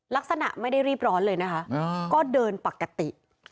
ลักษณะไม่ได้รีบร้อนเลยนะคะก็เดินปกติ